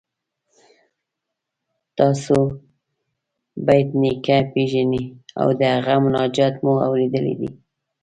تاسو بېټ نیکه پيژنئ او د هغه مناجات مو اوریدلی دی؟